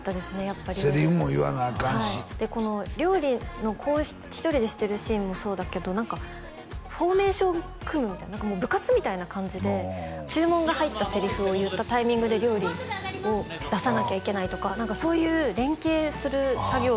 やっぱりセリフも言わなアカンしはいでこの料理のこう１人でしてるシーンもそうだけど何かフォーメーション組むみたいなもう部活みたいな感じで注文が入ったセリフを言ったタイミングで料理を出さなきゃいけないとかそういう連携する作業